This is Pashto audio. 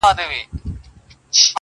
پر حجره یې لکه مار وګرځېدمه-